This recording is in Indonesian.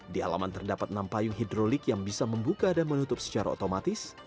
di alaman terdapat enam payung hidrolik yang bisa membuka dan menutup secara otomatis